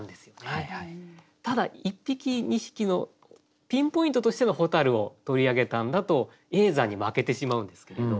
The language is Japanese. ただ１匹２匹のピンポイントとしての蛍を取り上げたんだと「叡山」に負けてしまうんですけれど。